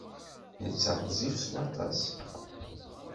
Netta ɣezzif s waṭas